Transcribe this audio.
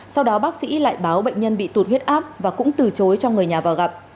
sau đó bác sĩ lại báo bệnh nhân bị tụt huyết áp và cũng từ chối cho người nhà vào gặp